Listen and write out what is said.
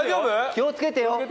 気を付けてよ。